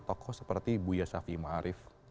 tokoh seperti bu yasafi ma'arif